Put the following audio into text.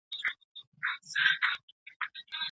ایا آنلاین ټولګي د مخامخ ټولګیو په پرتله ډیر عصري دي؟